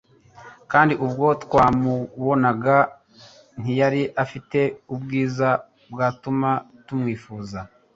kandi ubwo twamubonaga ntiyari afite ubwiza bwatuma tumwifuza."